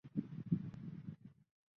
现时通过启用实验性的选项。